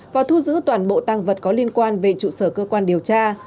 và thu giữ toàn bộ tăng vật có liên quan về trụ sở cơ quan điều tra